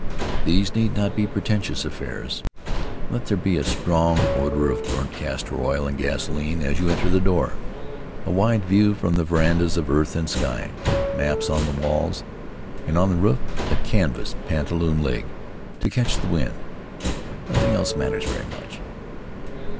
These need not be pretentious affairs. Let there be a strong odor of burnt castor oil and gasoline as you enter the door; a wide view from the verandas of earth and sky; maps on the walls; and on the roof a canvas "pantaloon leg" to catch the wind. Nothing else matters very much.